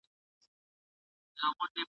خر بارونو ته پیدا خرکار ترڅنګ وي .